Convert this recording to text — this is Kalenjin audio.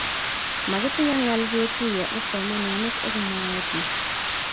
makitinye ngal ketuye kipsomaninik eng muaet nii